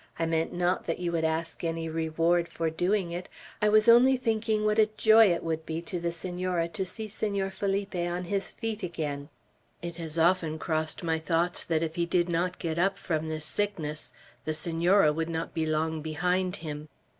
I meant not that you would ask any reward for doing it; I was only thinking what joy it would be to the Senora to see Senor Felipe on his feet again. It has often crossed my thoughts that if he did not get up from this sickness the Senora would not be long behind him.